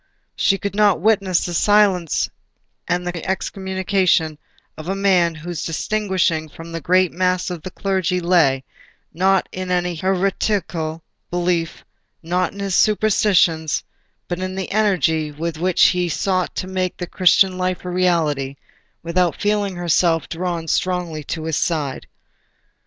She could not witness the silencing and excommunication of a man whose distinction from the great mass of the clergy lay, not in any heretical belief, not in his superstitions, but in the energy with which he sought to make the Christian life a reality, without feeling herself drawn strongly to his side.